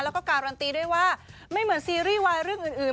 แล้วก็การันตีด้วยว่าไม่เหมือนซีรีส์วายเรื่องอื่น